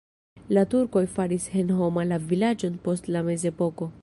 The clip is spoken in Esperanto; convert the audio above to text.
La turkoj faris senhoma la vilaĝon post la mezepoko.